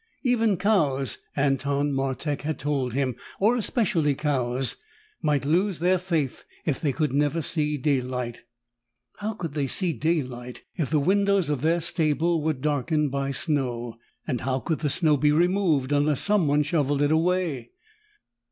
Even cows, Anton Martek had told him or especially cows might lose their faith if they could never see daylight. How could they see daylight if the windows of their stable were darkened by snow? And how could the snow be removed unless someone shoveled it away?